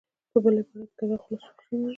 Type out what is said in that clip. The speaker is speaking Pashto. په بل عبارت، کږه خوله سوک سموي.